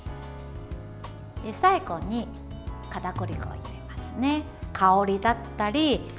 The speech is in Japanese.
最後に、かたくり粉を入れますね。